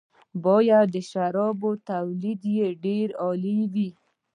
باید د شرابو تولید یې ډېر عالي وي.